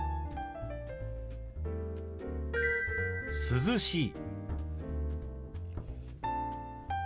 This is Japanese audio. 「涼しい」。